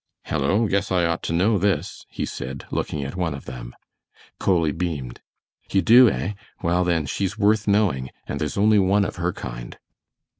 "Hello, guess I ought to know this," he said, looking at one of them. Coley beamed. "You do, eh? Well, then, she's worth knowin' and there's only one of her kind."